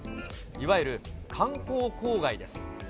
いわゆる観光公害です。